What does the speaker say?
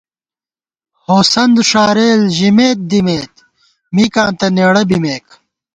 ہوسند ݭارېل ژِمېتدِمېت مِکاں تہ نېڑہ بِمېک